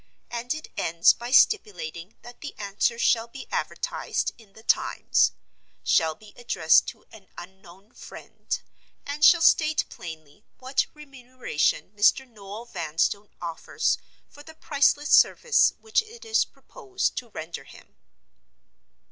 And it ends by stipulating that the answer shall be advertised in the Times; shall be addressed to "An Unknown Friend"; and shall state plainly what remuneration Mr. Noel Vanstone offers for the priceless service which it is proposed to render him.